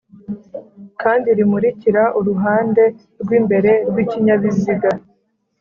kandi rimurikira uruhande rw'imbere rw'ikinyabiziga.